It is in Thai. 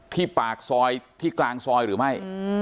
ปากซอยที่กลางซอยหรือไม่